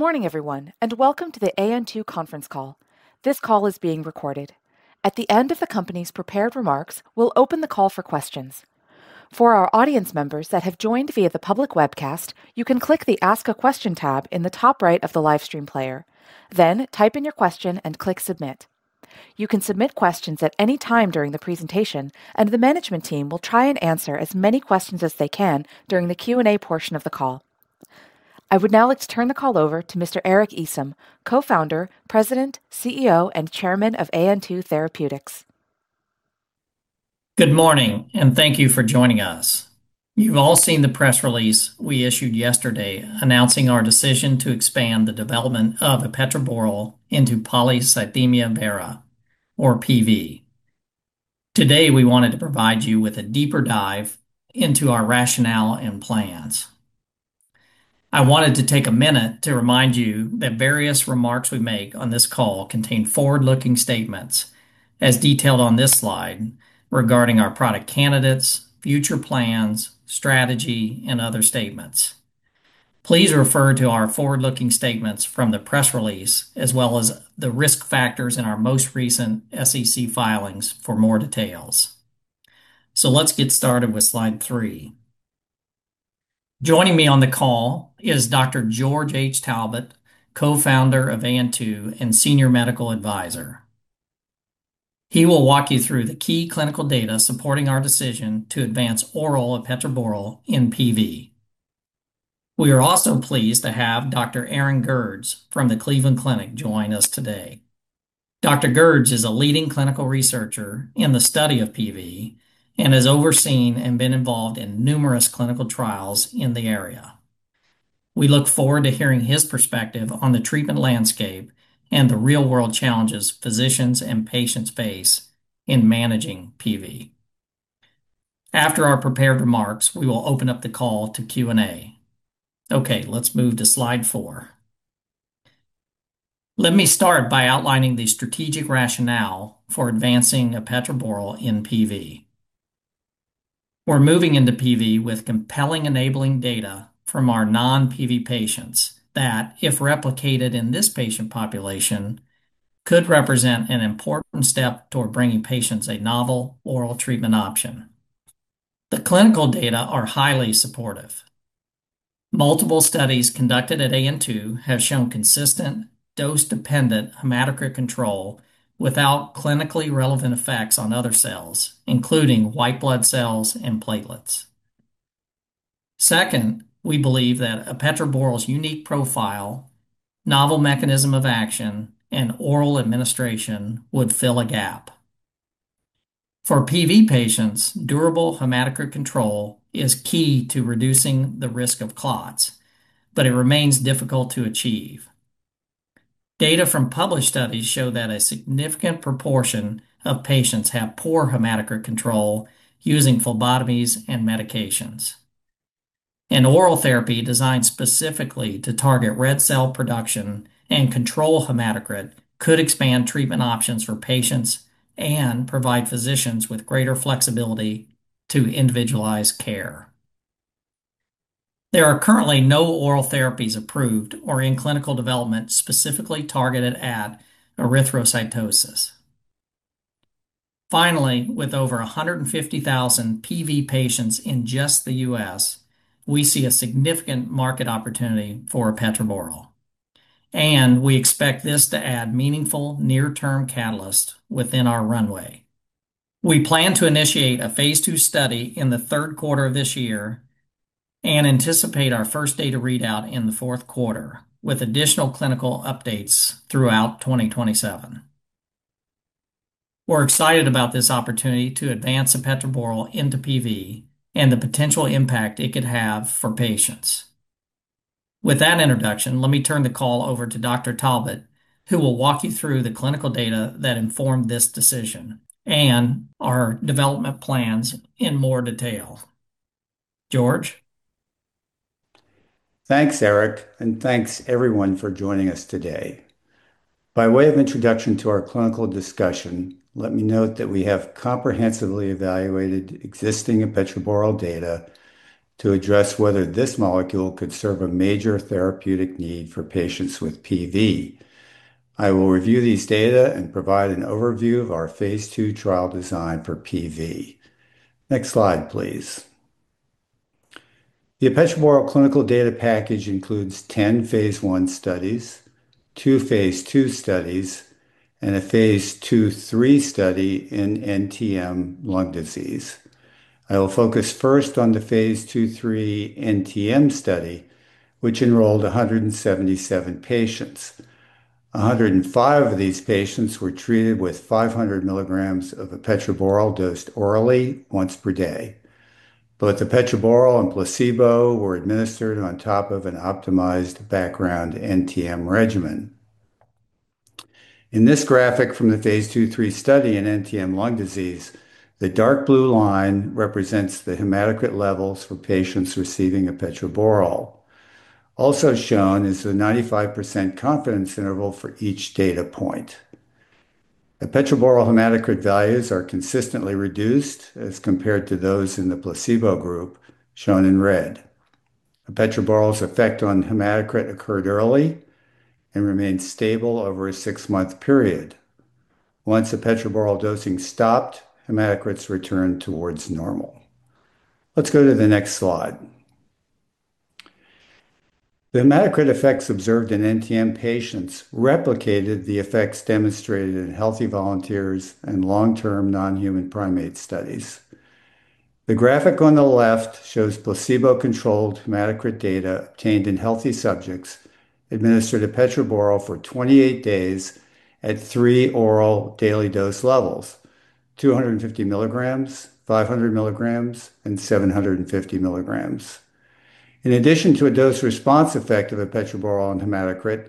Good morning everyone, welcome to the AN2 Conference Call. This call is being recorded. At the end of the company's prepared remarks, we'll open the call for questions. For our audience members that have joined via the public webcast, you can click the Ask a Question tab in the top right of the live stream player. Type in your question and click Submit. You can submit questions at any time during the presentation, and the management team will try and answer as many questions as they can during the Q&A portion of the call. I would now like to turn the call over to Mr. Eric Easom, Co-founder, President, CEO, and Chairman of AN2 Therapeutics. Good morning, thank you for joining us. You've all seen the press release we issued yesterday announcing our decision to expand the development of epetraborole into polycythemia vera or PV. Today, we wanted to provide you with a deeper dive into our rationale and plans. I wanted to take a minute to remind you that various remarks we make on this call contain forward-looking statements as detailed on this slide regarding our product candidates, future plans, strategy, and other statements. Please refer to our forward-looking statements from the press release, as well as the risk factors in our most recent SEC filings for more details. Let's get started with slide three. Joining me on the call is Dr. George H. Talbot, Co-Founder of AN2 and Senior Medical Advisor. He will walk you through the key clinical data supporting our decision to advance oral epetraborole in PV. We are also pleased to have Dr. Aaron Gerds from the Cleveland Clinic join us today. Dr. Gerds is a leading clinical researcher in the study of PV and has overseen and been involved in numerous clinical trials in the area. We look forward to hearing his perspective on the treatment landscape and the real-world challenges physicians and patients face in managing PV. After our prepared remarks, we will open up the call to Q&A. Okay, let's move to slide four. Let me start by outlining the strategic rationale for advancing epetraborole in PV. We're moving into PV with compelling enabling data from our non-PV patients that, if replicated in this patient population, could represent an important step toward bringing patients a novel oral treatment option. The clinical data are highly supportive. Multiple studies conducted at AN2 have shown consistent dose-dependent hematocrit control without clinically relevant effects on other cells, including white blood cells and platelets. Second, we believe that epetraborole's unique profile, novel mechanism of action, and oral administration would fill a gap. For PV patients, durable hematocrit control is key to reducing the risk of clots, but it remains difficult to achieve. Data from published studies show that a significant proportion of patients have poor hematocrit control using phlebotomies and medications. An oral therapy designed specifically to target red cell production and control hematocrit could expand treatment options for patients and provide physicians with greater flexibility to individualize care. There are currently no oral therapies approved or in clinical development specifically targeted at erythrocytosis. With over 150,000 PV patients in just the U.S., we see a significant market opportunity for epetraborole, and we expect this to add meaningful near-term catalyst within our runway. We plan to initiate a phase II study in the third quarter of this year and anticipate our first data readout in the fourth quarter with additional clinical updates throughout 2027. We're excited about this opportunity to advance epetraborole into PV and the potential impact it could have for patients. Let me turn the call over to Dr. Talbot, who will walk you through the clinical data that informed this decision and our development plans in more detail. George? Thanks, Eric, and thanks everyone for joining us today. By way of introduction to our clinical discussion, let me note that we have comprehensively evaluated existing epetraborole data to address whether this molecule could serve a major therapeutic need for patients with PV. I will review these data and provide an overview of our phase II trial design for PV. Next slide, please. The epetraborole clinical data package includes 10 phase I studies, two phase II studies, and a phase II/III study in NTM lung disease. I will focus first on the phase II/III NTM study, which enrolled 177 patients. 105 of these patients were treated with 500 mg of epetraborole dosed orally once per day. Both epetraborole and placebo were administered on top of an optimized background NTM regimen. In this graphic from the phase II/III study in NTM lung disease, the dark blue line represents the hematocrit levels for patients receiving epetraborole. Also shown is the 95% confidence interval for each data point. Epetraborole hematocrit values are consistently reduced as compared to those in the placebo group shown in red. Epetraborole's effect on hematocrit occurred early and remained stable over a six-month period. Once epetraborole dosing stopped, hematocrits returned towards normal. Let's go to the next slide. The hematocrit effects observed in NTM patients replicated the effects demonstrated in healthy volunteers in long-term non-human primate studies. The graphic on the left shows placebo-controlled hematocrit data obtained in healthy subjects administered epetraborole for 28 days at three oral daily dose levels, 250 mg, 500 mg, and 750 mg. In addition to a dose response effect of epetraborole on hematocrit,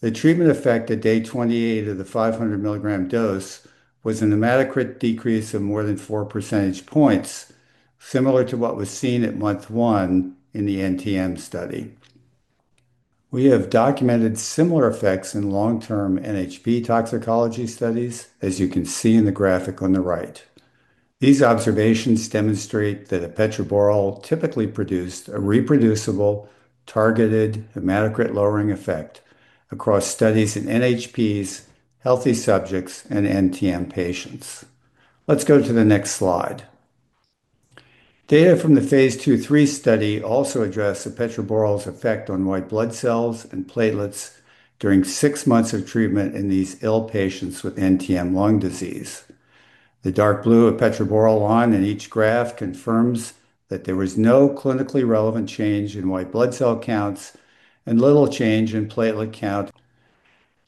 the treatment effect at day 28 of the 500 mg dose was a hematocrit decrease of more than 4 percentage points, similar to what was seen at month one in the NTM study. We have documented similar effects in long-term NHP toxicology studies, as you can see in the graphic on the right. These observations demonstrate that epetraborole typically produced a reproducible, targeted hematocrit-lowering effect across studies in NHPs, healthy subjects, and NTM patients. Let's go to the next slide. Data from the phase II/III study also addressed epetraborole's effect on white blood cells and platelets during six months of treatment in these ill patients with NTM lung disease. The dark blue epetraborole line in each graph confirms that there was no clinically relevant change in white blood cell counts and little change in platelet count.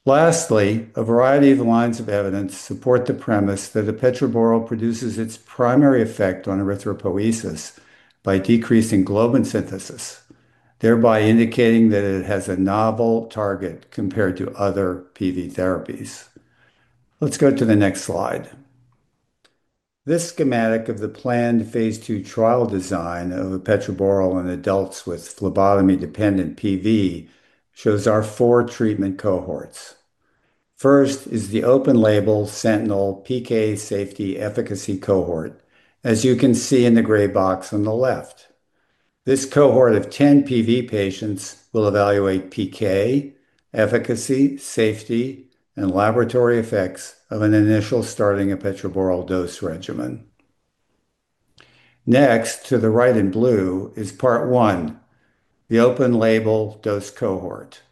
A variety of lines of evidence support the premise that epetraborole produces its primary effect on erythropoiesis by decreasing globin synthesis, thereby indicating that it has a novel target compared to other PV therapies. Let's go to the next slide. This schematic of the planned phase II trial design of epetraborole in adults with phlebotomy-dependent PV shows our four treatment cohorts. First is the open label sentinel PK safety efficacy cohort, as you can see in the gray box on the left. This cohort of 10 PV patients will evaluate PK, efficacy, safety, and laboratory effects of an initial starting epetraborole dose regimen. Next, to the right in blue, is part one, the open label dose cohort,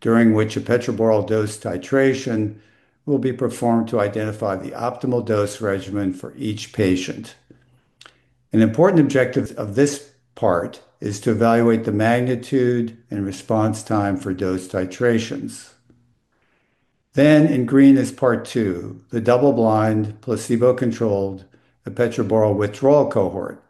during which epetraborole dose titration will be performed to identify the optimal dose regimen for each patient. An important objective of this part is to evaluate the magnitude and response time for dose titrations. In green is part two, the double-blind placebo-controlled epetraborole withdrawal cohort,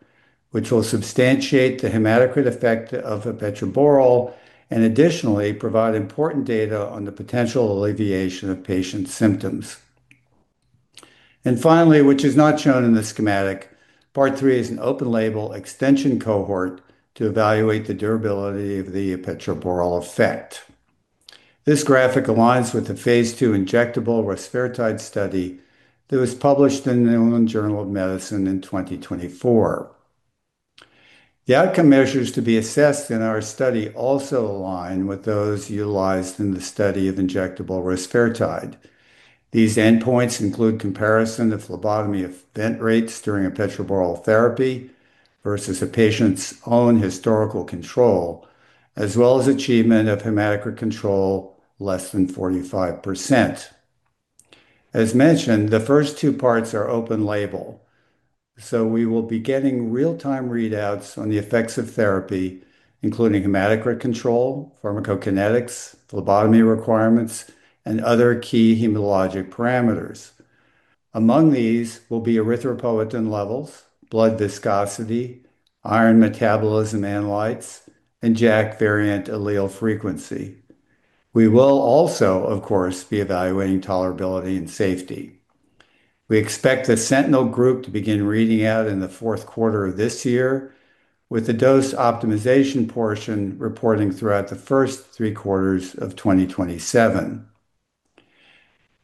which will substantiate the hematocrit effect of epetraborole and additionally provide important data on the potential alleviation of patients' symptoms. Finally, which is not shown in this schematic, part three is an open label extension cohort to evaluate the durability of the epetraborole effect. This graphic aligns with the phase II injectable rusfertide study that was published in the New England Journal of Medicine in 2024. The outcome measures to be assessed in our study also align with those utilized in the study of injectable rusfertide. These endpoints include comparison of phlebotomy event rates during epetraborole therapy versus a patient's own historical control, as well as achievement of hematocrit control less than 45%. As mentioned, the first two parts are open label, we will be getting real-time readouts on the effects of therapy, including hematocrit control, pharmacokinetics, phlebotomy requirements, and other key hematologic parameters. Among these will be erythropoietin levels, blood viscosity, iron metabolism analytes, and JAK variant allele frequency. We will also, of course, be evaluating tolerability and safety. We expect the sentinel group to begin reading out in the fourth quarter of this year, with the dose optimization portion reporting throughout the first three quarters of 2027.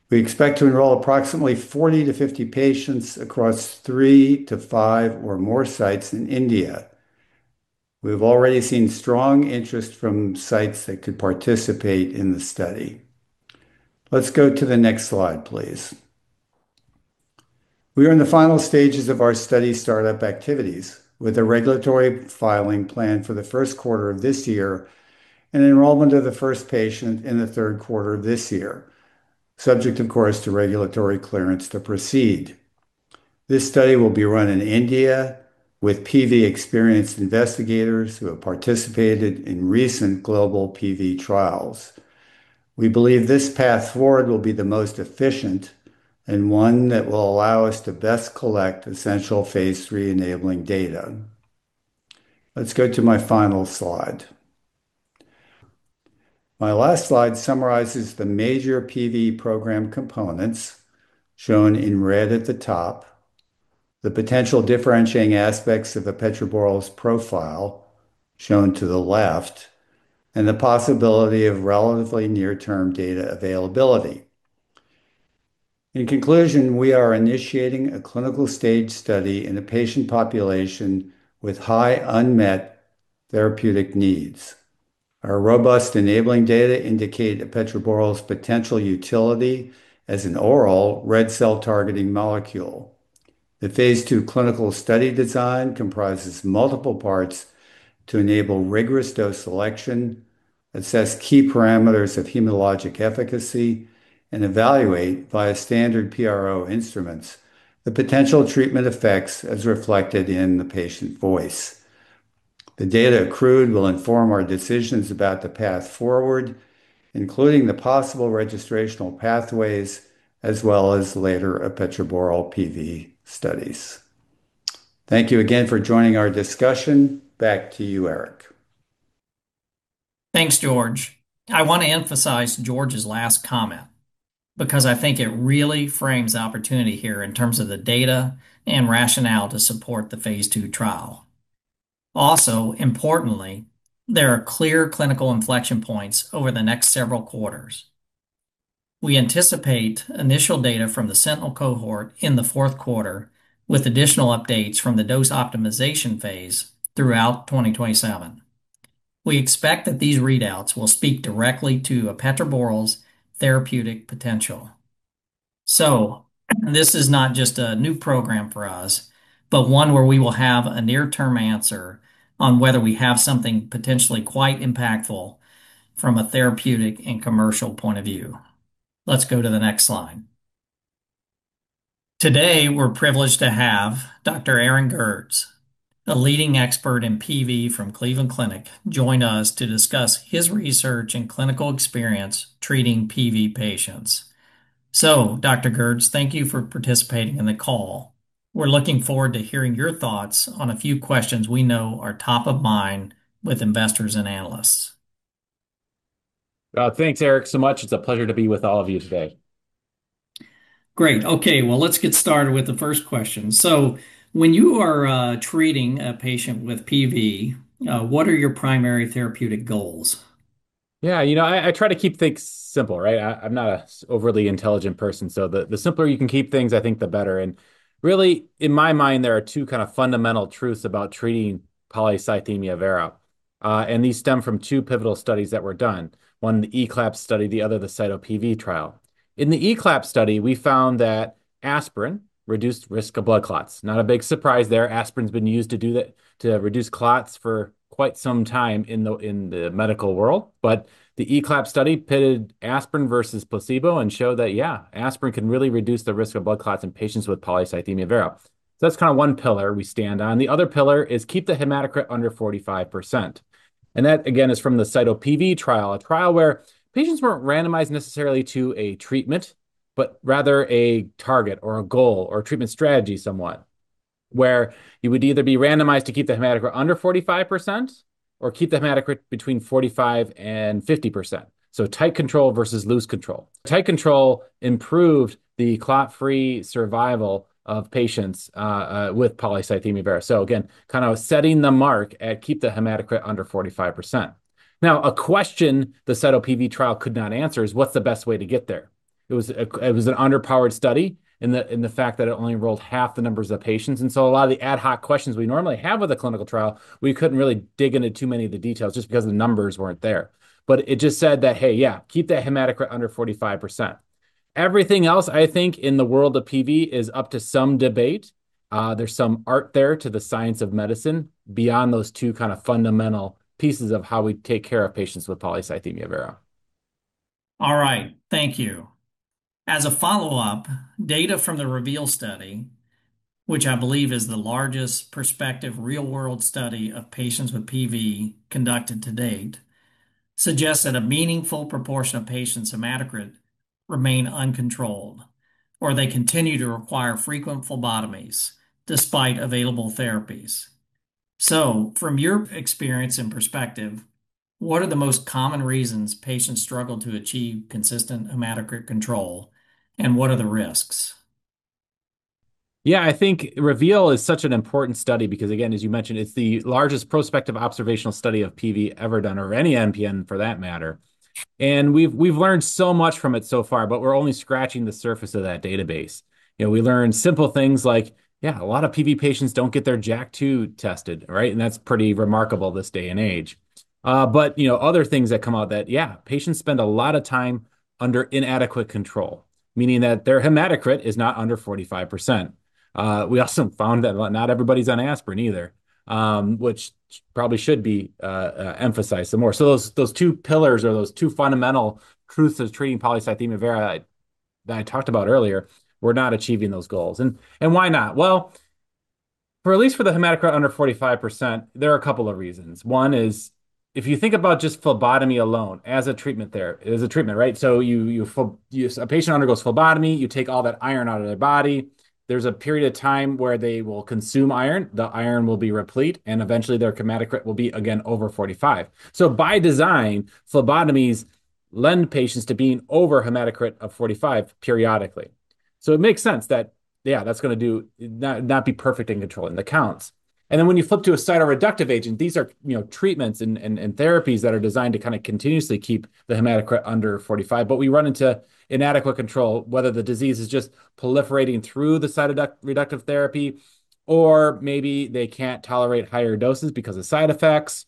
We expect to enroll approximately 40 to 50 patients across three to five or more sites in India. We've already seen strong interest from sites that could participate in the study. Let's go to the next slide, please. We are in the final stages of our study startup activities with a regulatory filing plan for the first quarter of this year and enrollment of the first patient in the third quarter of this year, subject, of course, to regulatory clearance to proceed. This study will be run in India with PV-experienced investigators who have participated in recent global PV trials. We believe this path forward will be the most efficient and one that will allow us to best collect essential phase III enabling data. Let's go to my final slide. My last slide summarizes the major PV program components shown in red at the top. The potential differentiating aspects of epetraborole's profile, shown to the left, and the possibility of relatively near-term data availability. In conclusion, we are initiating a clinical stage study in a patient population with high unmet therapeutic needs. Our robust enabling data indicate epetraborole's potential utility as an oral red cell targeting molecule. The phase II clinical study design comprises multiple parts to enable rigorous dose selection, assess key parameters of hematologic efficacy, and evaluate via standard PRO instruments the potential treatment effects as reflected in the patient voice. The data accrued will inform our decisions about the path forward, including the possible registrational pathways as well as later epetraborole PV studies. Thank you again for joining our discussion. Back to you, Eric. Thanks, George. I want to emphasize George's last comment because I think it really frames the opportunity here in terms of the data and rationale to support the phase II trial. Also, importantly, there are clear clinical inflection points over the next several quarters. We anticipate initial data from the Sentinel cohort in the fourth quarter with additional updates from the dose optimization phase throughout 2027. We expect that these readouts will speak directly to epetraborole's therapeutic potential. This is not just a new program for us, but one where we will have a near-term answer on whether we have something potentially quite impactful from a therapeutic and commercial point of view. Let's go to the next slide. Today, we're privileged to have Dr. Aaron Gerds, a leading expert in PV from Cleveland Clinic, join us to discuss his research and clinical experience treating PV patients. Dr. Gerds, thank you for participating in the call. We're looking forward to hearing your thoughts on a few questions we know are top of mind with investors and analysts. Thanks, Eric, so much. It's a pleasure to be with all of you today. Great. Okay. Well, let's get started with the first question. When you are treating a patient with PV, what are your primary therapeutic goals? Yeah, you know, I try to keep things simple, right? I'm not an overly intelligent person, the simpler you can keep things, I think the better. Really, in my mind, there are two kind of fundamental truths about treating polycythemia vera. These stem from two pivotal studies that were done, one the ECLAP study, the other the CYTO-PV trial. In the ECLAP study, we found that aspirin reduced risk of blood clots. Not a big surprise there. Aspirin's been used to do that, to reduce clots for quite some time in the medical world. The ECLAP study pitted aspirin versus placebo and showed that, yeah, aspirin can really reduce the risk of blood clots in patients with polycythemia vera. That's kind of one pillar we stand on. The other pillar is keep the hematocrit under 45%. That again is from the CYTO-PV trial, a trial where patients weren't randomized necessarily to a treatment, but rather a target or a goal or treatment strategy somewhat, where you would either be randomized to keep the hematocrit under 45% or keep the hematocrit between 45% and 50%. Tight control versus loose control. Tight control improved the clot-free survival of patients, with polycythemia vera. Again, kind of setting the mark at keep the hematocrit under 45%. A question the CYTO-PV trial could not answer is what's the best way to get there? It was an underpowered study in the fact that it only enrolled half the numbers of patients. A lot of the ad hoc questions we normally have with a clinical trial, we couldn't really dig into too many of the details just because the numbers weren't there. It just said that, hey, yeah, keep that hematocrit under 45%. Everything else I think in the world of PV is up to some debate. There's some art there to the science of medicine beyond those two kind of fundamental pieces of how we take care of patients with polycythemia vera. All right. Thank you. As a follow-up, data from the REVEAL study, which I believe is the largest prospective real-world study of patients with PV conducted to date, suggests that a meaningful proportion of patients' hematocrit remain uncontrolled, or they continue to require frequent phlebotomies despite available therapies. From your experience and perspective, what are the most common reasons patients struggle to achieve consistent hematocrit control, and what are the risks? Yeah, I think REVEAL is such an important study because, again, as you mentioned, it's the largest prospective observational study of PV ever done, or any MPN for that matter. We've learned so much from it so far, we're only scratching the surface of that database. You know, we learn simple things like, yeah, a lot of PV patients don't get their JAK2 tested, right? That's pretty remarkable this day and age. You know, other things that come out that, yeah, patients spend a lot of time under inadequate control, meaning that their hematocrit is not under 45%. We also found that not everybody's on aspirin either, which probably should be emphasized some more. Those two pillars or those two fundamental truths of treating polycythemia vera that I talked about earlier, we're not achieving those goals. Why not? Well, for at least for the hematocrit under 45%, there are a couple of reasons. One is if you think about just phlebotomy alone as a treatment there, it is a treatment, right? A patient undergoes phlebotomy. You take all that iron out of their body. There's a period of time where they will consume iron. The iron will be replete, and eventually their hematocrit will be again over 45. By design, phlebotomies lend patients to being over hematocrit of 45 periodically. It makes sense that, yeah, that's gonna not be perfect in controlling the counts. Then when you flip to a cytoreductive agent, these are, you know, treatments and therapies that are designed to kind of continuously keep the hematocrit under 45. We run into inadequate control, whether the disease is just proliferating through the cytoreductive therapy, or maybe they can't tolerate higher doses because of side effects,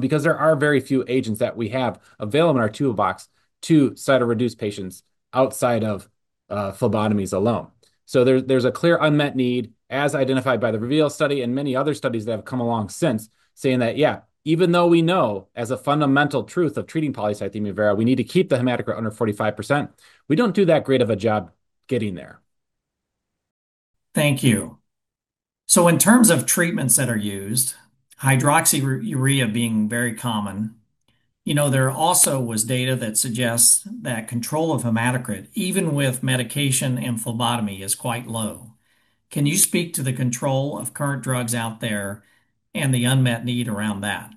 because there are very few agents that we have available in our toolbox to cytoreduce patients outside of phlebotomies alone. There, there's a clear unmet need, as identified by the REVEAL study and many other studies that have come along since, saying that, yeah, even though we know as a fundamental truth of treating polycythemia vera, we need to keep the hematocrit under 45%, we don't do that great of a job getting there. Thank you. In terms of treatments that are used, hydroxyurea being very common, you know, there also was data that suggests that control of hematocrit, even with medication and phlebotomy, is quite low. Can you speak to the control of current drugs out there and the unmet need around that?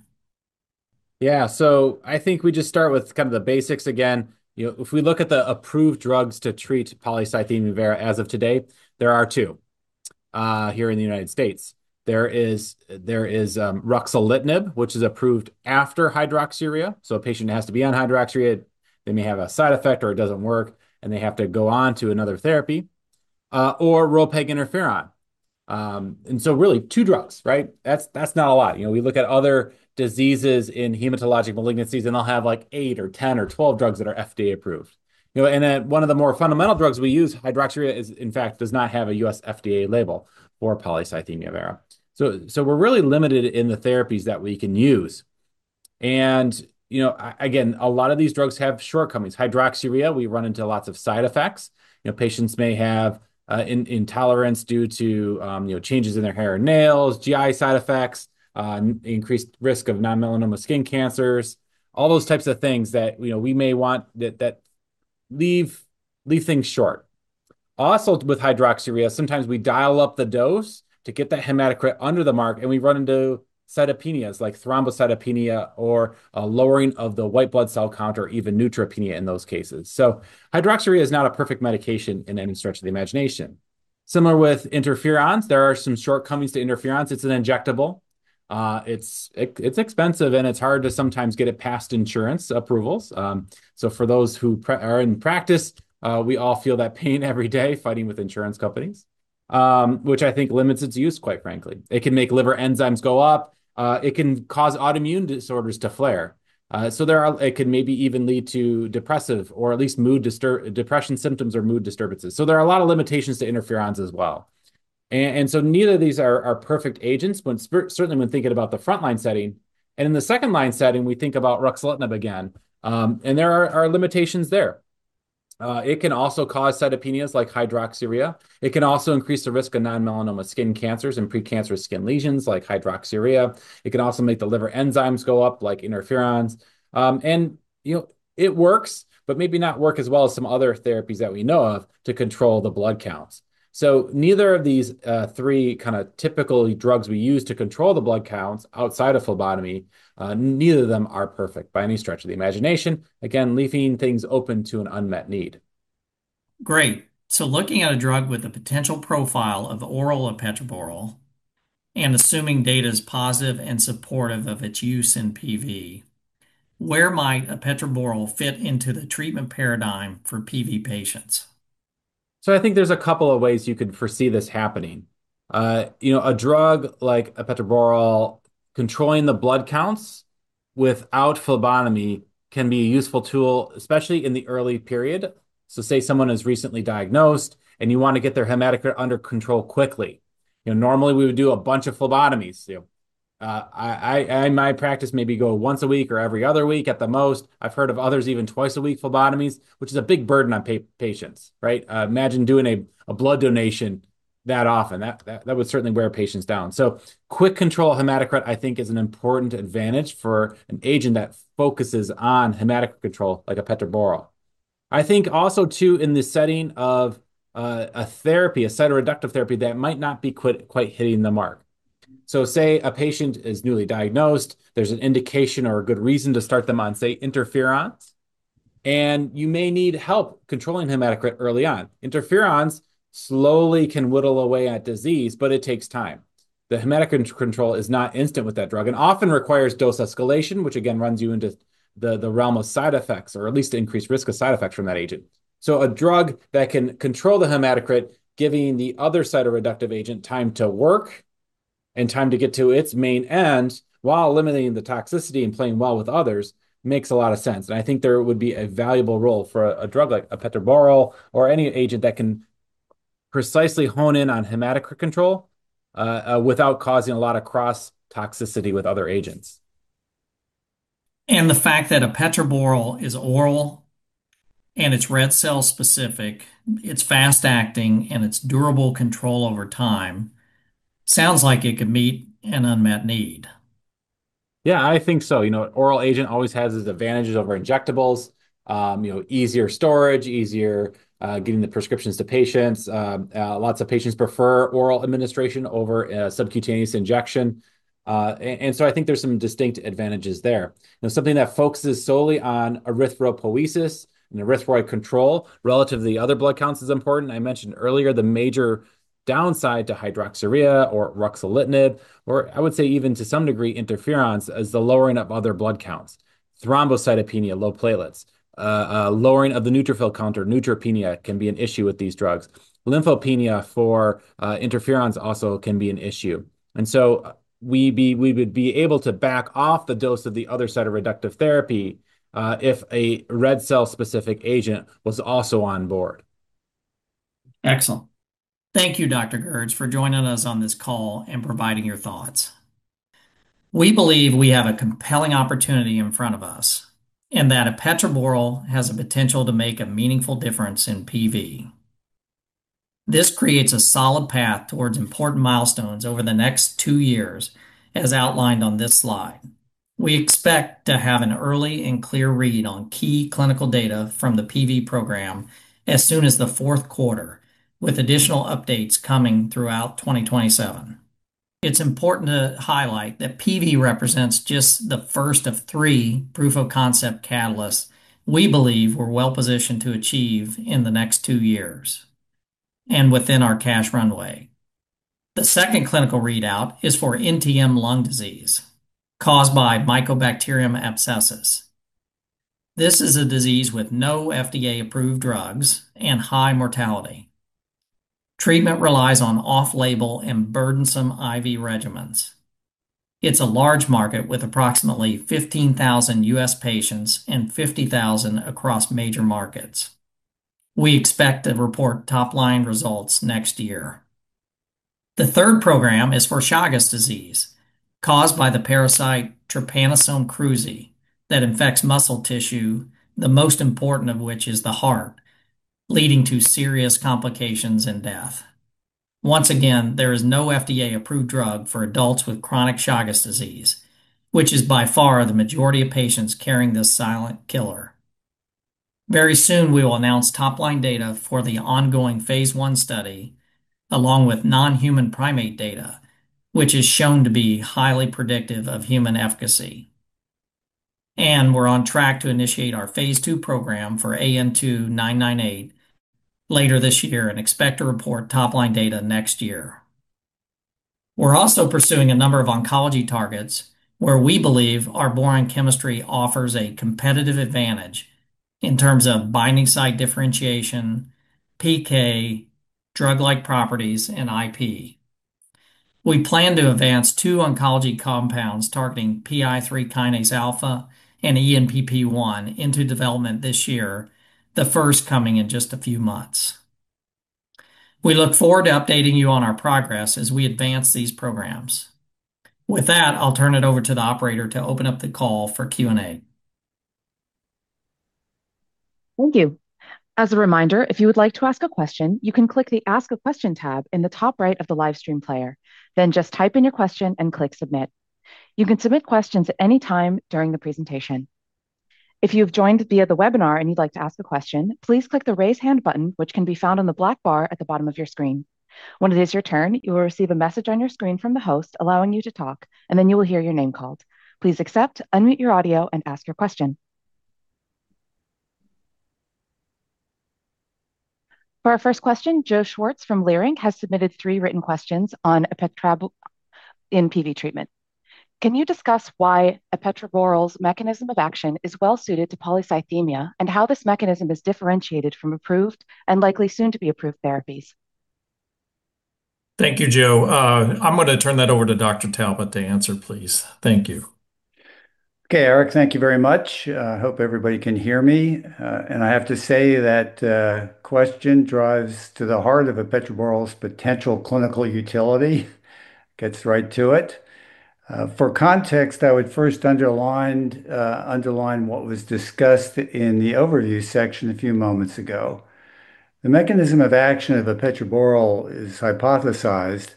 I think we just start with kind of the basics again. You know, if we look at the approved drugs to treat polycythemia vera as of today, there are two here in the United States. There is ruxolitinib, which is approved after hydroxyurea. So a patient has to be on hydroxyurea. They may have a side effect or it doesn't work, and they have to go on to another therapy or ropeginterferon. Really two drugs, right? That's not a lot. You know, we look at other diseases in hematologic malignancies, and they'll have, like, eight or 10 or 12 drugs that are FDA approved. You know, and then one of the more fundamental drugs we use, hydroxyurea, is in fact does not have a U.S. FDA label for polycythemia vera. We're really limited in the therapies that we can use. You know, again, a lot of these drugs have shortcomings. Hydroxyurea, we run into lots of side effects. You know, patients may have intolerance due to, you know, changes in their hair and nails, GI side effects, increased risk of non-melanoma skin cancers, all those types of things that, you know, we may want that leave things short. With hydroxyurea, sometimes we dial up the dose to get the hematocrit under the mark, and we run into cytopenias like thrombocytopenia or a lowering of the white blood cell count or even neutropenia in those cases. Hydroxyurea is not a perfect medication in any stretch of the imagination. Similar with interferons, there are some shortcomings to interferons. It's an injectable. It's expensive, and it's hard to sometimes get it past insurance approvals. For those who are in practice, we all feel that pain every day fighting with insurance companies, which I think limits its use, quite frankly. It can make liver enzymes go up. It can cause autoimmune disorders to flare. It can maybe even lead to depressive or at least depression symptoms or mood disturbances. There are a lot of limitations to interferons as well. Neither of these are perfect agents certainly when thinking about the frontline setting. In the second line setting, we think about ruxolitinib again, and there are limitations there. It can also cause cytopenias like hydroxyurea. It can also increase the risk of non-melanoma skin cancers and precancerous skin lesions like hydroxyurea. It can also make the liver enzymes go up like interferons. You know, it works, but maybe not work as well as some other therapies that we know of to control the blood counts. Neither of these, three kind of typical drugs we use to control the blood counts outside of phlebotomy, neither of them are perfect by any stretch of the imagination, again, leaving things open to an unmet need. Great. Looking at a drug with the potential profile of oral epetraborole and assuming data is positive and supportive of its use in PV, where might epetraborole fit into the treatment paradigm for PV patients? I think there's a couple of ways you could foresee this happening. You know, a drug like epetraborole controlling the blood counts without phlebotomy can be a useful tool, especially in the early period. Say someone is recently diagnosed, and you wanna get their hematocrit under control quickly. You know, normally, we would do a bunch of phlebotomies. You know, in my practice, maybe go once a week or every other week at the most. I've heard of others even twice a week phlebotomies, which is a big burden on patients, right? Imagine doing a blood donation that often. That would certainly wear patients down. Quick control of hematocrit, I think, is an important advantage for an agent that focuses on hematocrit control like epetraborole. I think also too in the setting of a therapy, a cytoreductive therapy that might not be quite hitting the mark. Say a patient is newly diagnosed. There's an indication or a good reason to start them on, say, interferons, you may need help controlling hematocrit early on. Interferons slowly can whittle away at disease, but it takes time. The hematocrit control is not instant with that drug and often requires dose escalation, which again runs you into the realm of side effects or at least increased risk of side effects from that agent. A drug that can control the hematocrit, giving the other cytoreductive agent time to work and time to get to its main end while eliminating the toxicity and playing well with others makes a lot of sense. I think there would be a valuable role for a drug like epetraborole or any agent that can precisely hone in on hematocrit control without causing a lot of cross-toxicity with other agents. The fact that epetraborole is oral, and it's red cell specific, it's fast acting, and it's durable control over time sounds like it could meet an unmet need. Yeah, I think so. You know, oral agent always has its advantages over injectables, you know, easier storage, easier giving the prescriptions to patients. Lots of patients prefer oral administration over a subcutaneous injection. I think there's some distinct advantages there. Now, something that focuses solely on erythropoiesis and erythroid control relative to the other blood counts is important. I mentioned earlier the major downside to hydroxyurea or ruxolitinib, or I would say even to some degree interferon, is the lowering of other blood counts. Thrombocytopenia, low platelets, lowering of the neutrophil count, or neutropenia can be an issue with these drugs. Lymphopenia for interferon also can be an issue. We would be able to back off the dose of the other cytoreductive therapy if a red cell-specific agent was also on board. Excellent. Thank you, Dr. Gerds, for joining us on this call and providing your thoughts. We believe we have a compelling opportunity in front of us, and that epetraborole has the potential to make a meaningful difference in PV. This creates a solid path towards important milestones over the next two years, as outlined on this slide. We expect to have an early and clear read on key clinical data from the PV program as soon as the fourth quarter, with additional updates coming throughout 2027. It's important to highlight that PV represents just the first of three proof-of-concept catalysts we believe we're well-positioned to achieve in the next two years and within our cash runway. The second clinical readout is for NTM lung disease caused by Mycobacterium abscessus. This is a disease with no FDA-approved drugs and high mortality. Treatment relies on off-label and burdensome IV regimens. It's a large market with approximately 15,000 U.S. patients and 50,000 across major markets. We expect to report top-line results next year. The third program is for Chagas disease, caused by the parasite Trypanosoma cruzi that infects muscle tissue, the most important of which is the heart, leading to serious complications and death. Once again, there is no FDA-approved drug for adults with chronic Chagas disease, which is by far the majority of patients carrying this silent killer. Very soon, we will announce top-line data for the ongoing phase I study, along with non-human primate data, which is shown to be highly predictive of human efficacy. We're on track to initiate our phase II program for AN2998 later this year and expect to report top-line data next year. We're also pursuing a number of oncology targets where we believe our boron chemistry offers a competitive advantage in terms of binding site differentiation, PK, drug-like properties, and IP. We plan to advance two oncology compounds targeting PI3K-alpha and ENPP1 into development this year, the first coming in just a few months. We look forward to updating you on our progress as we advance these programs. With that, I'll turn it over to the operator to open up the call for Q&A. Thank you. As a reminder, if you would like to ask a question, you can click the Ask a Question tab in the top right of the live stream player. Then just type in your question and click Submit. You can submit questions at any time during the presentation. If you have joined via the webinar and you'd like to ask a question, please click the Raise Hand button, which can be found on the black bar at the bottom of your screen. When it is your turn, you will receive a message on your screen from the host allowing you to talk, and then you will hear your name called. Please accept, unmute your audio, and ask your question. For our first question, Joe Schwartz from Leerink has submitted three written questions on epetraborole in PV treatment. Can you discuss why epetraborole's mechanism of action is well-suited to polycythemia and how this mechanism is differentiated from approved and likely soon to be approved therapies? Thank you, Joe. I'm gonna turn that over to Dr. Talbot to answer, please. Thank you. Okay, Eric, thank you very much. I hope everybody can hear me. I have to say that question drives to the heart of epetraborole's potential clinical utility. Gets right to it. For context, I would first underline what was discussed in the overview section a few moments ago. The mechanism of action of epetraborole is hypothesized,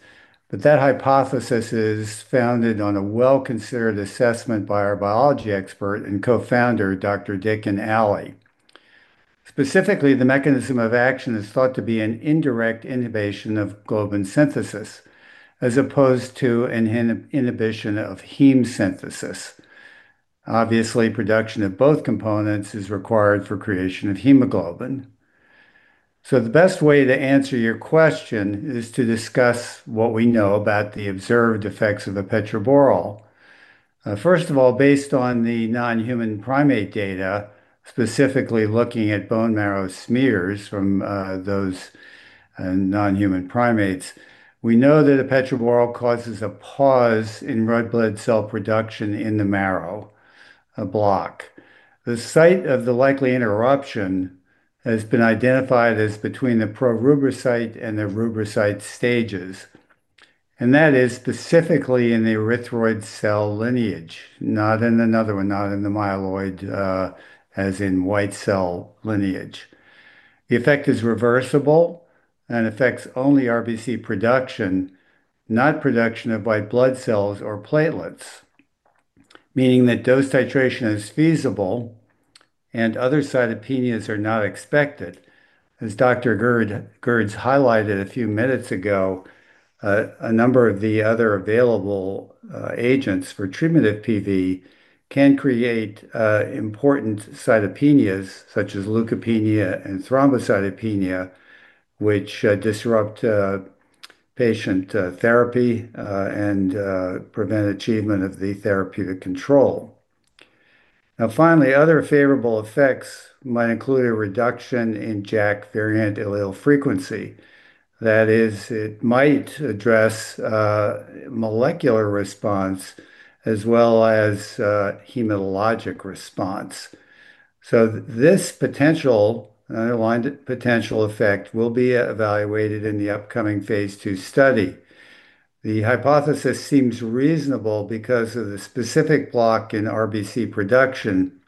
but that hypothesis is founded on a well-considered assessment by our biology expert and co-founder, Dr. Dickon Alley. Specifically, the mechanism of action is thought to be an indirect inhibition of globin synthesis, as opposed to an inhibition of heme synthesis. Obviously, production of both components is required for creation of hemoglobin. The best way to answer your question is to discuss what we know about the observed effects of epetraborole. First of all, based on the non-human primate data, specifically looking at bone marrow smears from those non-human primates, we know that epetraborole causes a pause in red blood cell production in the marrow, a block. The site of the likely interruption has been identified as between the proerythroblast and the erythrocyte stages, and that is specifically in the erythroid cell lineage, not in another one, not in the myeloid as in white cell lineage. The effect is reversible and affects only RBC production, not production of white blood cells or platelets. Meaning that dose titration is feasible and other cytopenias are not expected. As Dr. Gerds highlighted a few minutes ago, a number of the other available agents for treatment of PV can create important cytopenias such as leukopenia and thrombocytopenia, which disrupt patient therapy and prevent achievement of the therapeutic control. Now finally, other favorable effects might include a reduction in JAK variant allele frequency. That is, it might address molecular response as well as hematologic response. This potential, underlined potential effect will be evaluated in the upcoming phase II study. The hypothesis seems reasonable because of the specific block in RBC production,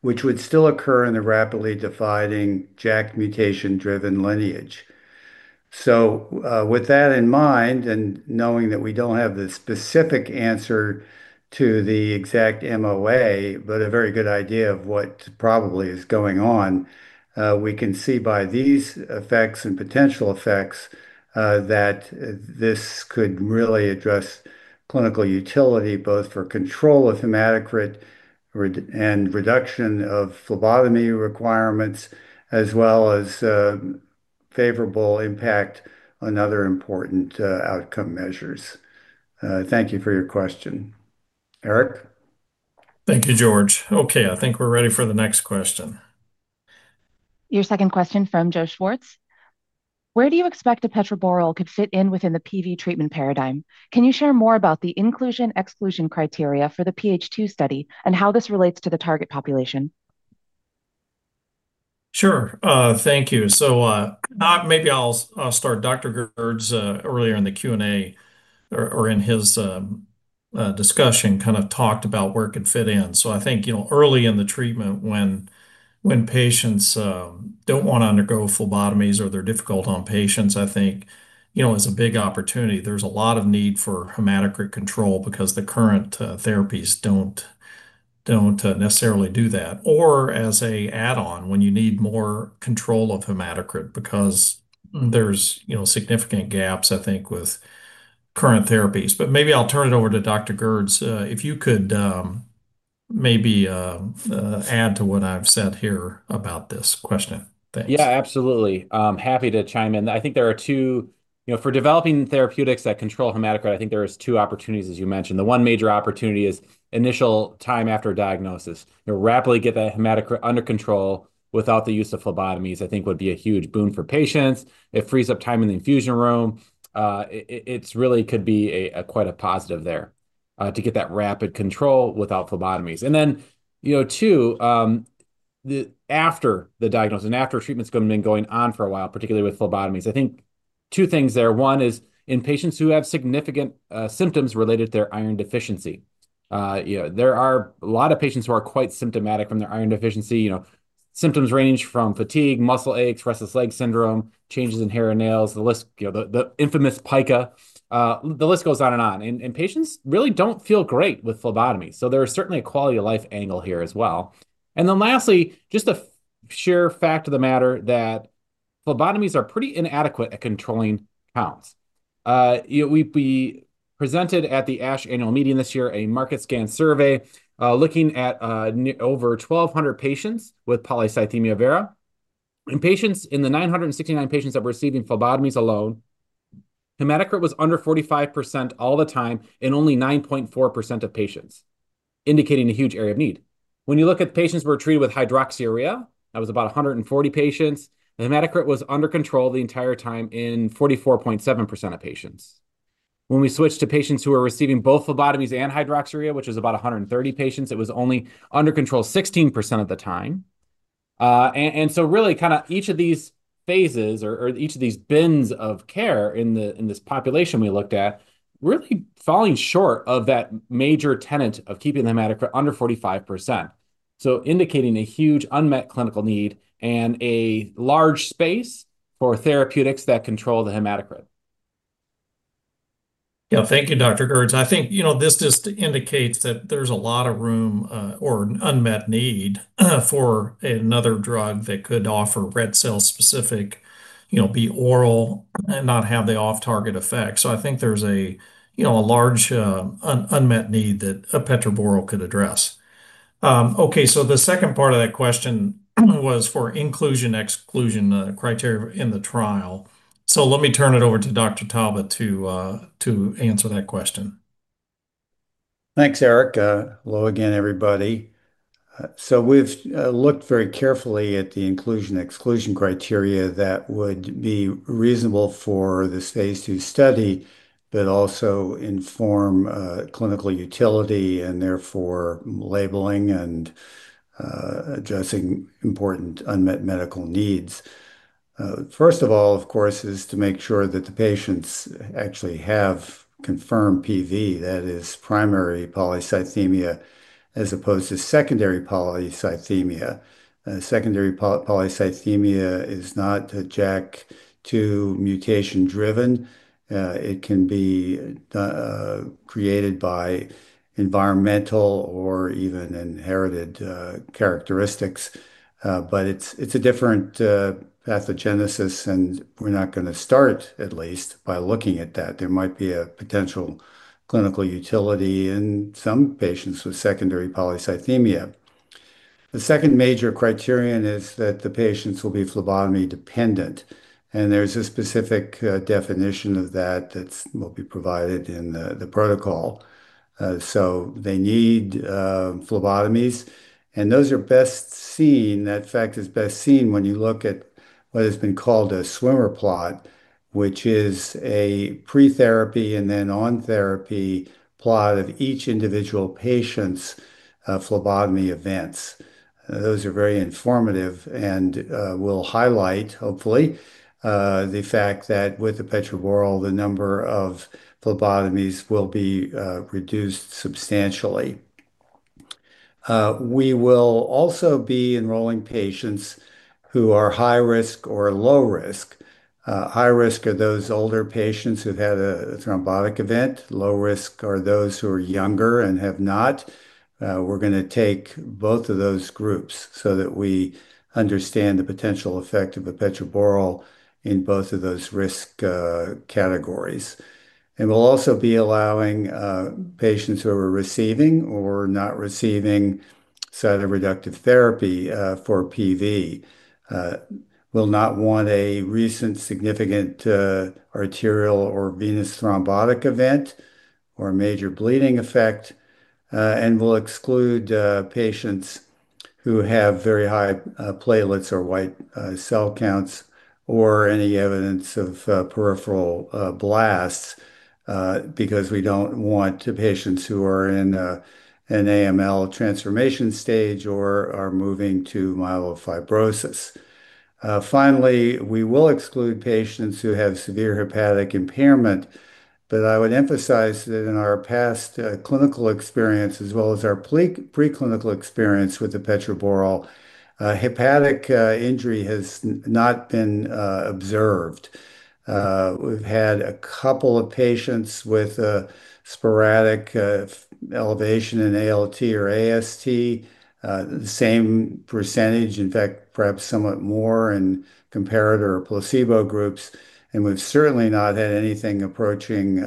which would still occur in the rapidly dividing JAK mutation-driven lineage. With that in mind, and knowing that we don't have the specific answer to the exact MOA, but a very good idea of what probably is going on, we can see by these effects and potential effects, that this could really address clinical utility both for control of hematocrit and reduction of phlebotomy requirements, as well as, favorable impact on other important outcome measures. Thank you for your question. Eric? Thank you, George. Okay, I think we're ready for the next question. Your second question from Joe Schwartz. Where do you expect epetraborole could fit in within the PV treatment paradigm? Can you share more about the inclusion, exclusion criteria for phase II study and how this relates to the target population? Sure. Thank you. Maybe I'll start. Dr. Gerds earlier in the Q&A or in his discussion kind of talked about where it could fit in. I think, you know, early in the treatment when patients don't wanna undergo phlebotomies or they're difficult on patients, I think, you know, is a big opportunity. There's a lot of need for hematocrit control because the current therapies don't necessarily do that. Or as an add-on when you need more control of hematocrit because there's, you know, significant gaps, I think, with current therapies. Maybe I'll turn it over to Dr. Gerds. If you could maybe add to what I've said here about this question. Thanks. Yeah, absolutely. I'm happy to chime in. I think there are two. You know, for developing therapeutics that control hematocrit, I think there is two opportunities, as you mentioned. One major opportunity is initial time after diagnosis. You'll rapidly get that hematocrit under control without the use of phlebotomies, I think would be a huge boom for patients. It frees up time in the infusion room. It's really could be a, quite a positive there, to get that rapid control without phlebotomies. You know, two, after the diagnosis and after treatment's gonna been going on for a while, particularly with phlebotomies. I think two things there. One is in patients who have significant symptoms related to their iron deficiency. You know, there are a lot of patients who are quite symptomatic from their iron deficiency. You know, symptoms range from fatigue, muscle aches, restless leg syndrome, changes in hair and nails, the list, you know, the infamous pica. The list goes on and on. Patients really don't feel great with phlebotomy. There are certainly a quality of life angle here as well. Lastly, just a sheer fact of the matter that phlebotomies are pretty inadequate at controlling counts. You know, we presented at the ASH annual meeting this year a market scan survey, looking at over 1,200 patients with polycythemia vera. In the 969 patients that were receiving phlebotomies alone, hematocrit was under 45% all the time in only 9.4% of patients, indicating a huge area of need. When you look at the patients who were treated with hydroxyurea, that was about 140 patients, the hematocrit was under control the entire time in 44.7% of patients. When we switched to patients who were receiving both phlebotomies and hydroxyurea, which was about 130 patients, it was only under control 16% of the time. really kinda each of these phases or each of these bins of care in this population we looked at, really falling short of that major tenet of keeping the hematocrit under 45%. indicating a huge unmet clinical need and a large space for therapeutics that control the hematocrit. Yeah. Thank you, Dr. Gerds. I think, you know, this just indicates that there's a lot of room, or unmet need for another drug that could offer red cell specific, you know, be oral and not have the off-target effect. I think there's a, you know, a large, unmet need that epetraborole could address. Okay, the second part of that question was for inclusion, exclusion, criteria in the trial. Let me turn it over to Dr. Talbot to answer that question. Thanks, Eric. Hello again, everybody. We've looked very carefully at the inclusion, exclusion criteria that would be reasonable for this phase II study, but also inform clinical utility, and therefore labeling and addressing important unmet medical needs. First of all, of course, is to make sure that the patients actually have confirmed PV, that is primary polycythemia as opposed to secondary polycythemia. Secondary polycythemia is not a JAK2 mutation driven. It can be created by environmental or even inherited characteristics. It's a different pathogenesis, and we're not gonna start at least by looking at that. There might be a potential clinical utility in some patients with secondary polycythemia. The second major criterion is that the patients will be phlebotomy dependent. There's a specific definition of that that will be provided in the protocol. They need phlebotomies, and that fact is best seen when you look at what has been called a swimmer plot, which is a pre-therapy and then on therapy plot of each individual patient's phlebotomy events. Those are very informative and will highlight hopefully the fact that with the eperaborole, the number of phlebotomies will be reduced substantially. We will also be enrolling patients who are high risk or low risk. High risk are those older patients who've had a thrombotic event. Low risk are those who are younger and have not. We're gonna take both of those groups so that we understand the potential effect of the eperaborole in both of those risk categories. We'll also be allowing patients who are receiving or not receiving cytoreductive therapy for PV. We'll not want a recent significant arterial or venous thrombotic event or a major bleeding effect, and we'll exclude patients who have very high platelets or white cell counts or any evidence of peripheral blasts, because we don't want the patients who are in an AML transformation stage or are moving to myelofibrosis. Finally, we will exclude patients who have severe hepatic impairment, I would emphasize that in our past clinical experience, as well as our preclinical experience with epetraborole, hepatic injury has not been observed. We've had a couple of patients with sporadic elevation in ALT or AST, the same percentage, in fact, perhaps somewhat more in comparator or placebo groups. We've certainly not had anything approaching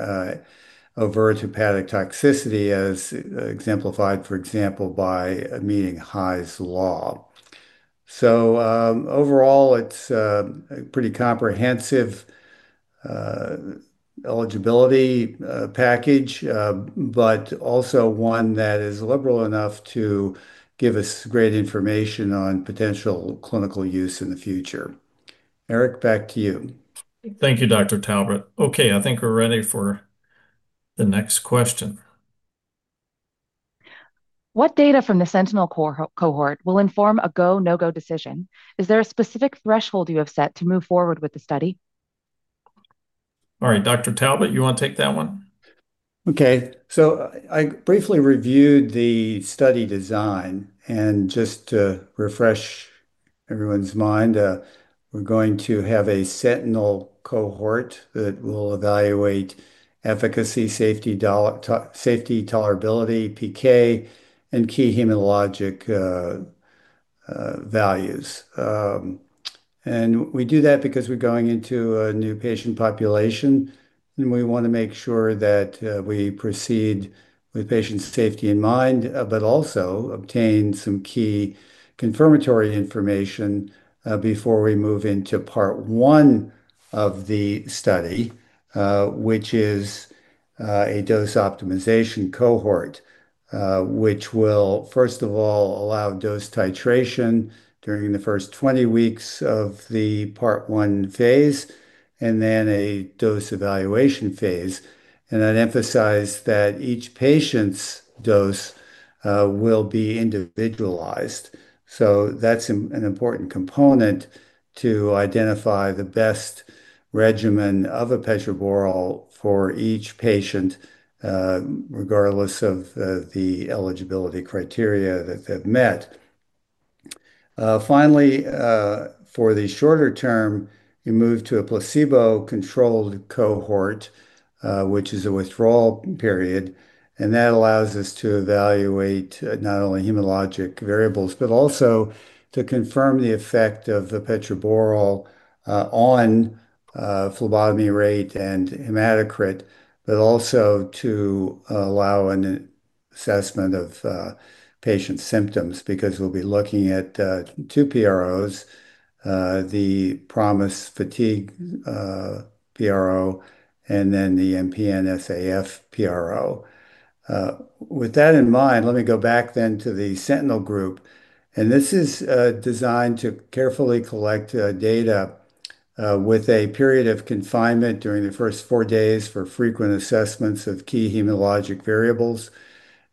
overt hepatic toxicity as exemplified, for example, by meeting Hy's Law. Overall, it's a pretty comprehensive eligibility package, but also one that is liberal enough to give us great information on potential clinical use in the future. Eric, back to you. Thank you, Dr. Talbot. Okay, I think we're ready for the next question. What data from the Sentinel cohort will inform a go, no-go decision? Is there a specific threshold you have set to move forward with the study? All right, Dr. Talbot, you wanna take that one? I briefly reviewed the study design, and just to refresh everyone's mind, we're going to have a Sentinel cohort that will evaluate efficacy, safety tolerability, PK, and key hematologic values. We do that because we're going into a new patient population, and we wanna make sure that we proceed with patient safety in mind, but also obtain some key confirmatory information before we move into part one of the study, which is a dose optimization cohort, which will, first of all, allow dose titration during the first 20 weeks of the part one phase and then a dose evaluation phase. I'd emphasize that each patient's dose will be individualized. That's an important component to identify the best regimen of epetraborole for each patient, regardless of the eligibility criteria that they've met. Finally, for the shorter term, you move to a placebo-controlled cohort, which is a withdrawal period, and that allows us to evaluate not only hematologic variables, but also to confirm the effect of the epetraborole on phlebotomy rate and hematocrit, but also to allow an assessment of patient symptoms because we'll be looking at two PROs, the PROMIS Fatigue PRO, and then the MPN-SAF PRO. With that in mind, let me go back then to the Sentinel group. This is designed to carefully collect data with a period of confinement during the first four days for frequent assessments of key hematologic variables,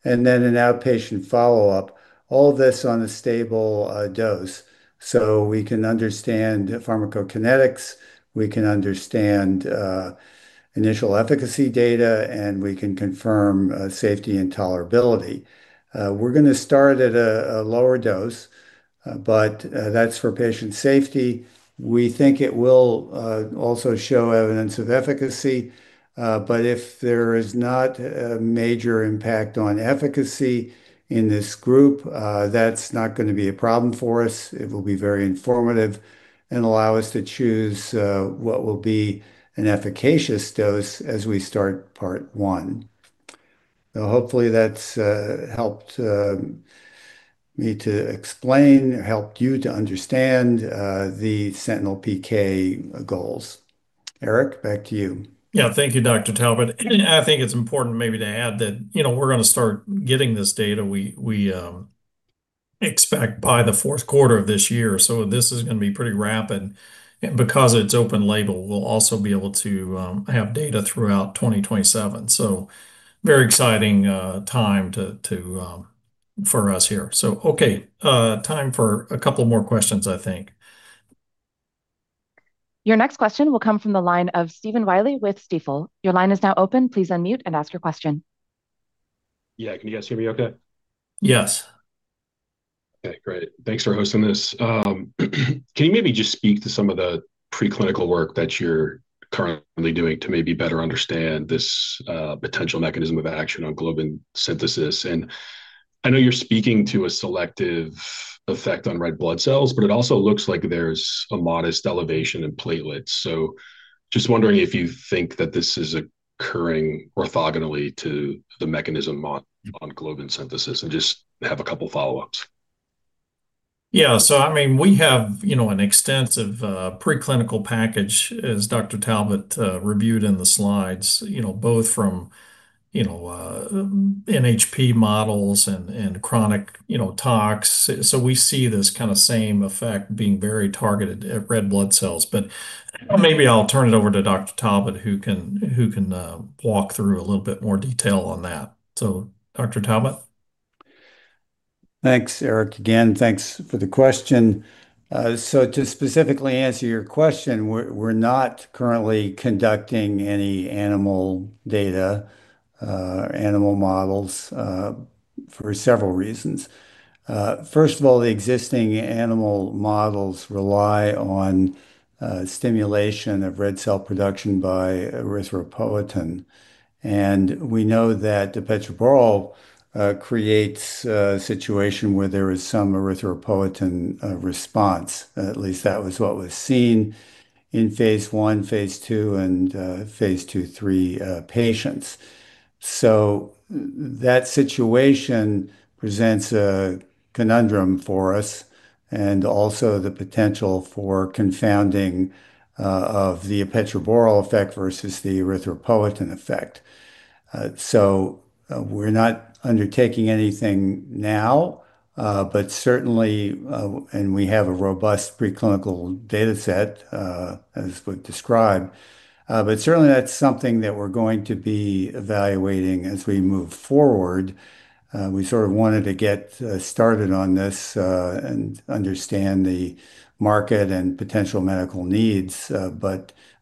and then an outpatient follow-up, all this on a stable dose. We can understand pharmacokinetics, we can understand initial efficacy data, and we can confirm safety and tolerability. We're gonna start at a lower dose, but that's for patient safety. We think it will also show evidence of efficacy, but if there is not a major impact on efficacy in this group, that's not gonna be a problem for us. It will be very informative and allow us to choose what will be an efficacious dose as we start part one. Hopefully that's helped me to explain, helped you to understand the Sentinel PK goals. Eric, back to you. Yeah. Thank you, Dr. Talbot. I think it's important maybe to add that, you know, we're gonna start getting this data we expect by the fourth quarter of this year, so this is gonna be pretty rapid. Because it's open label, we'll also be able to have data throughout 2027. Very exciting time to for us here. Okay, time for a couple more questions, I think. Your next question will come from the line of Stephen Willey with Stifel. Your line is now open. Please unmute and ask your question. Yeah. Can you guys hear me okay? Yes. Okay, great. Thanks for hosting this. Can you maybe just speak to some of the preclinical work that you're currently doing to maybe better understand this potential mechanism of action on globin synthesis? I know you're speaking to a selective effect on red blood cells, but it also looks like there's a modest elevation in platelets. Just wondering if you think that this is occurring orthogonally to the mechanism on globin synthesis. I just have a couple follow-ups. I mean, we have, you know, an extensive, preclinical package, as Dr. Talbot reviewed in the slides, you know, both from, you know, NHP models and chronic, you know, tox. We see this kind of same effect being very targeted at red blood cells. Maybe I'll turn it over to Dr. Talbot, who can walk through a little bit more detail on that. Dr. Talbot? Thanks, Eric. Again, thanks for the question. To specifically answer your question, we're not currently conducting any animal data, animal models, for several reasons. First of all, the existing animal models rely on stimulation of red cell production by erythropoietin. We know that dapetaboral creates a situation where there is some erythropoietin response. At least that was what was seen in phase I, phase II, and phase II-III patients. That situation presents a conundrum for us and also the potential for confounding of the dapetaboral effect versus the erythropoietin effect. We're not undertaking anything now, but certainly. We have a robust preclinical dataset, as we described. Certainly that's something that we're going to be evaluating as we move forward. We sort of wanted to get started on this and understand the market and potential medical needs,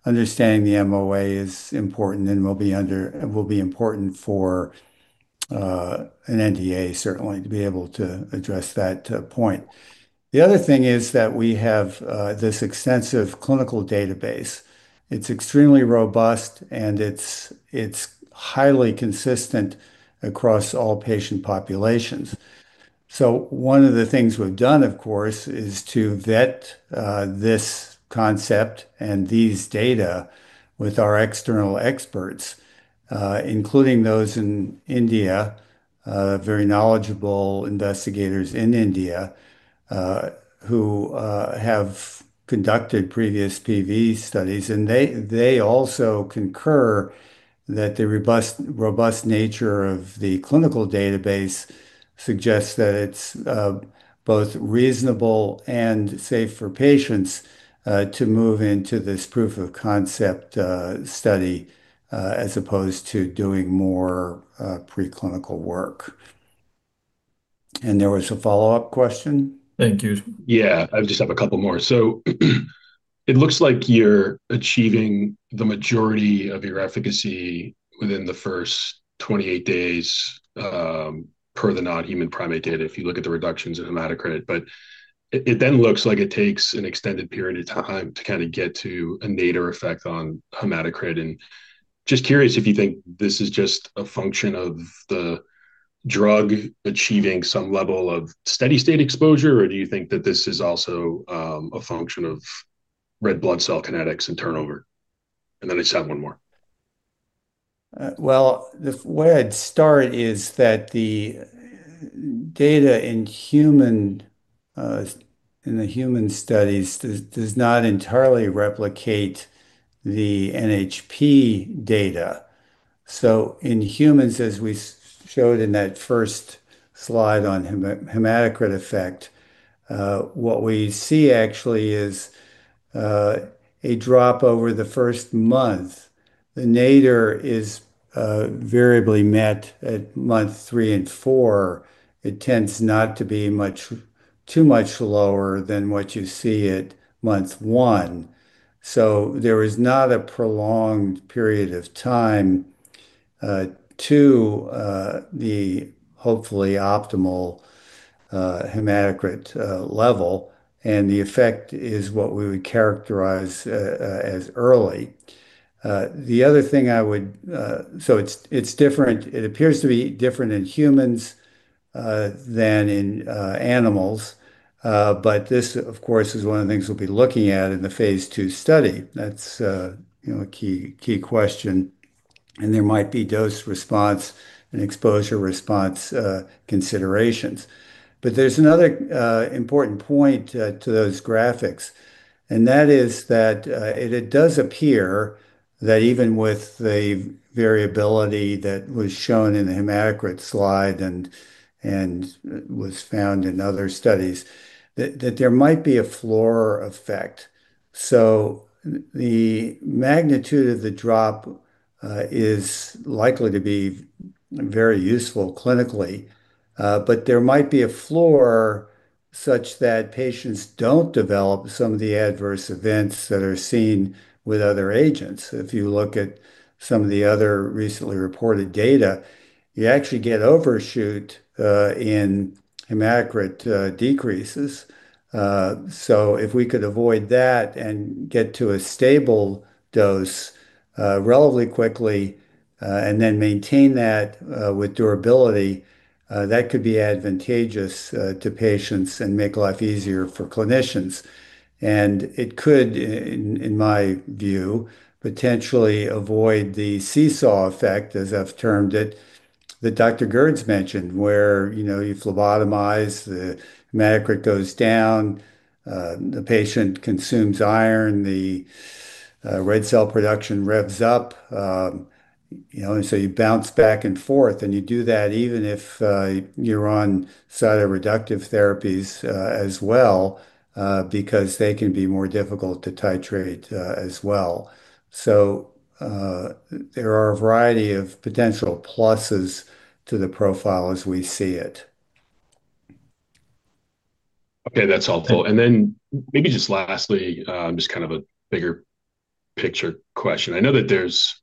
understanding the MOA is important and will be important for an NDA certainly to be able to address that point. The other thing is that we have this extensive clinical database. It's extremely robust, and it's highly consistent across all patient populations. One of the things we've done, of course, is to vet this concept and these data with our external experts, including those in India, very knowledgeable investigators in India, who have conducted previous PV studies. They also concur that the robust nature of the clinical database suggests that it's both reasonable and safe for patients to move into this proof of concept study as opposed to doing more preclinical work. There was a follow-up question? Thank you. Yeah. I just have a couple more. It looks like you're achieving the majority of your efficacy within the first 28 days, per the non-human primate data, if you look at the reductions in hematocrit. It then looks like it takes an extended period of time to kind of get to a nadir effect on hematocrit. Just curious if you think this is just a function of the drug achieving some level of steady-state exposure, or do you think that this is also a function of red blood cell kinetics and turnover? I just have one more. Well, the way I'd start is that the data in human, in the human studies does not entirely replicate the NHP data. In humans, as we showed in that first slide on hematocrit effect, what we see actually is a drop over the first month. The nadir is variably met at month three and four. It tends not to be too much lower than what you see at month one. There is not a prolonged period of time to the hopefully optimal hematocrit level, and the effect is what we would characterize as early. It's different. It appears to be different in humans than in animals. This, of course, is one of the things we'll be looking at in the phase II study. That's, you know, a key question. There might be dose response and exposure response considerations. There's another important point to those graphics, and that is that it does appear that even with the variability that was shown in the hematocrit slide and was found in other studies that there might be a floor effect. The magnitude of the drop is likely to be very useful clinically, but there might be a floor such that patients don't develop some of the adverse events that are seen with other agents. If you look at some of the other recently reported data, you actually get overshoot in hematocrit decreases. If we could avoid that and get to a stable dose, relatively quickly, and then maintain that, with durability, that could be advantageous, to patients and make life easier for clinicians. It could, in my view, potentially avoid the seesaw effect, as I've termed it, that Aaron Gerds mentioned, where, you know, you phlebotomize, the hematocrit goes down, the patient consumes iron, the red cell production revs up, you know. You bounce back and forth, and you do that even if you're on cytoreductive therapies, as well, because they can be more difficult to titrate, as well. There are a variety of potential pluses to the profile as we see it. Okay. That's helpful. Then maybe just lastly, just kind of a bigger picture question. I know that there's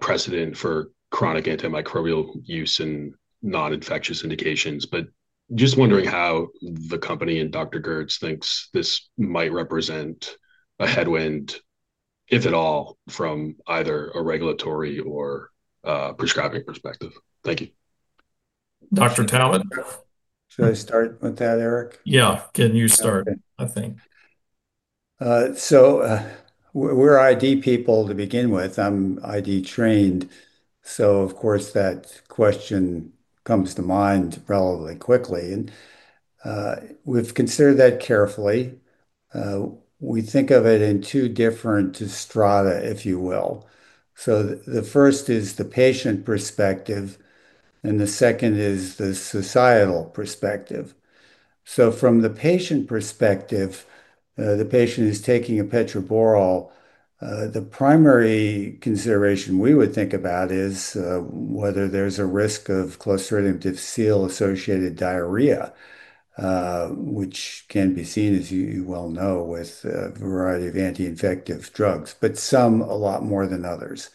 precedent for chronic antimicrobial use in non-infectious indications, but just wondering how the company and Aaron Gerds thinks this might represent a headwind, if at all, from either a regulatory or a prescribing perspective. Thank you. Dr. Talbot? Should I start with that, Eric? Yeah. Can you start, I think. We're ID people to begin with. I'm ID trained, of course, that question comes to mind relatively quickly. We've considered that carefully. We think of it in two different strata, if you will. The first is the patient perspective, and the second is the societal perspective. From the patient perspective, the patient who's taking epetraborole, the primary consideration we would think about is whether there's a risk of Clostridioides difficile-associated diarrhea, which can be seen, as you well know, with a variety of anti-infective drugs, but some a lot more than others.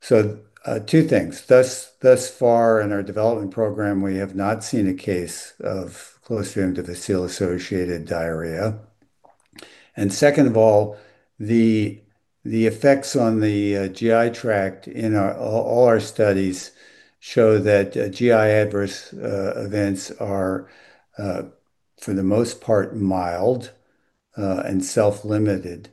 Two things. Thus far in our development program, we have not seen a case of Clostridioides difficile-associated diarrhea. Second of all, the effects on the GI tract in our... all our studies show that GI adverse events are for the most part mild and self-limited.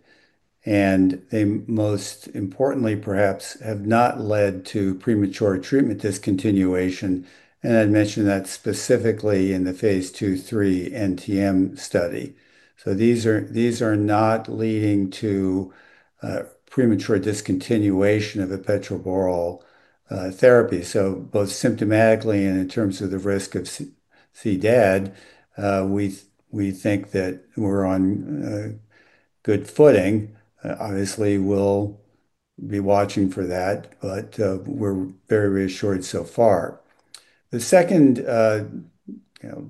They, most importantly perhaps, have not led to premature treatment discontinuation. I'd mention that specifically in the phase II/III NTM study. These are not leading to premature discontinuation of epetraborole therapy. Both symptomatically and in terms of the risk of C-Clostridioides difficile, we think that we're on good footing. Obviously, we'll be watching for that, but we're very reassured so far. The second, you know,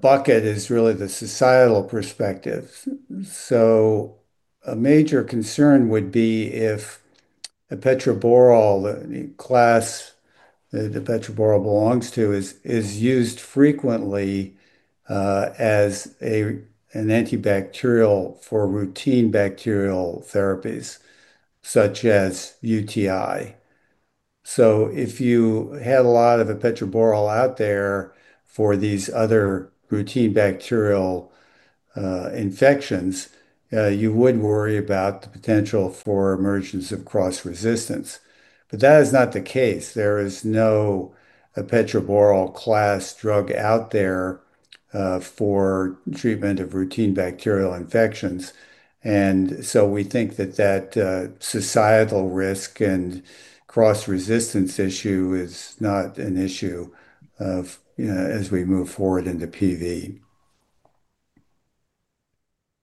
bucket is really the societal perspective. A major concern would be if epetraborole, the class that epetraborole belongs to, is used frequently as an antibacterial for routine bacterial therapies such as UTI. If you had a lot of epetraborole out there for these other routine bacterial infections, you would worry about the potential for emergence of cross-resistance. That is not the case. There is no epetraborole class drug out there for treatment of routine bacterial infections. We think that that societal risk and cross-resistance issue is not an issue of, you know, as we move forward into PV.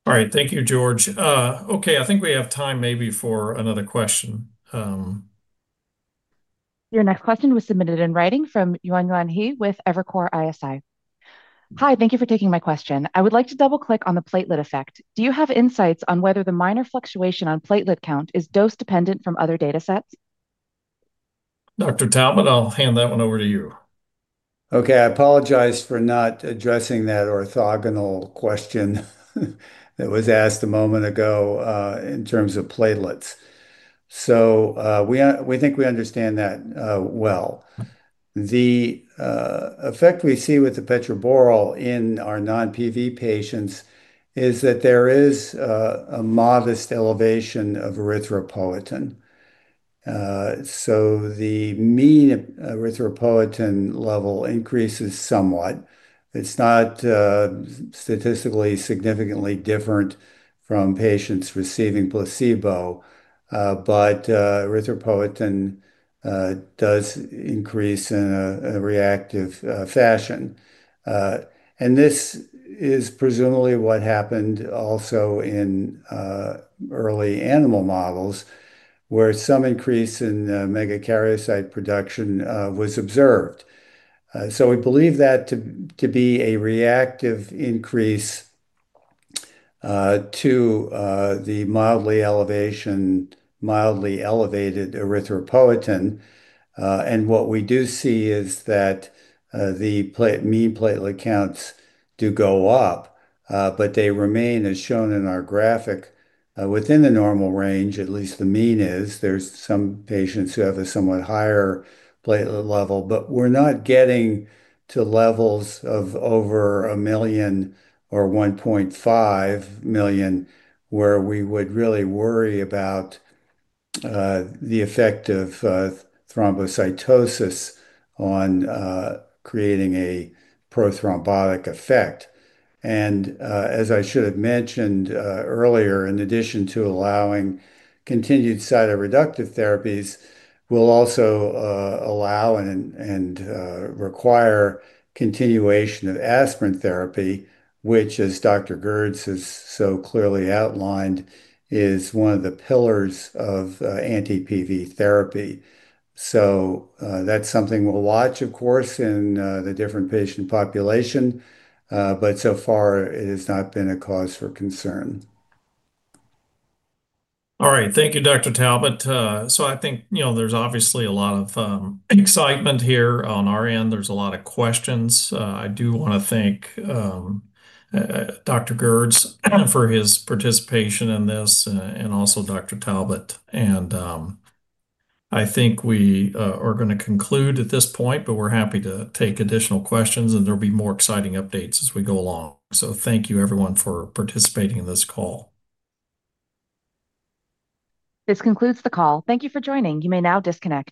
All right. Thank you, George. Okay, I think we have time maybe for another question. Your next question was submitted in writing from Yuanyuan He with Evercore ISI. Hi, thank you for taking my question. I would like to double-click on the platelet effect. Do you have insights on whether the minor fluctuation on platelet count is dose-dependent from other data sets? Dr. Talbot, I'll hand that one over to you. I apologize for not addressing that orthogonal question that was asked a moment ago, in terms of platelets. We think we understand that well. The effect we see with epetraborole in our non-PV patients is that there is a modest elevation of erythropoietin. The mean erythropoietin level increases somewhat. It's not statistically significantly different from patients receiving placebo, but erythropoietin does increase in a reactive fashion. This is presumably what happened also in early animal models, where some increase in megakaryocyte production was observed. We believe that to be a reactive increase to the mildly elevated erythropoietin. What we do see is that the mean platelet counts do go up, but they remain, as shown in our graphic, within the normal range, at least the mean is. There's some patients who have a somewhat higher platelet level. We're not getting to levels of over $1 million or $1.5 million, where we would really worry about the effect of thrombocytosis on creating a prothrombotic effect. As I should have mentioned earlier, in addition to allowing continued cytoreductive therapies, we'll also allow and require continuation of aspirin therapy, which, as Dr. Gerds has so clearly outlined, is one of the pillars of anti-PV therapy. That's something we'll watch, of course, in the different patient population. So far it has not been a cause for concern. All right. Thank you, Dr. Talbot. I think, you know, there's obviously a lot of excitement here on our end. There's a lot of questions. I do wanna thank Dr. Gerds for his participation in this, and also Dr. Talbot. I think we are gonna conclude at this point, but we're happy to take additional questions, and there'll be more exciting updates as we go along. Thank you everyone for participating in this call. This concludes the call. Thank you for joining. You may now disconnect.